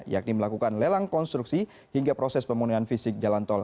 yakni melakukan lelang konstruksi hingga proses pemulihan fisik jalan tol